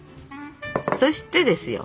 そしてですよ